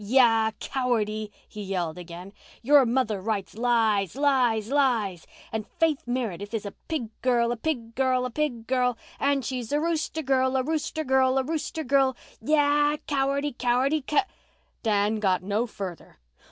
"Yah! Cowardy!" he yelled gain. "Your mother writes lies—lies—lies! And Faith Meredith is a pig girl—a—pig girl—a pig girl! And she's a rooster girl—a rooster girl—a rooster girl! Yah! Cowardy—cowardy—cust—" Dan got no further.